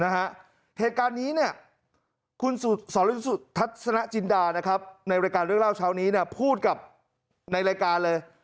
เหตุการณ์นี้เนี่ยคุณสรสุทัศนจินดานะครับในรายการเรื่องเล่าเช้านี้พูดกับในรายการเลย